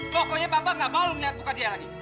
pokoknya papa gak mau lo lihat buka diri